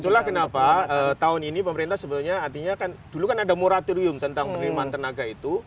itulah kenapa tahun ini pemerintah sebetulnya artinya kan dulu kan ada moratorium tentang penerimaan tenaga itu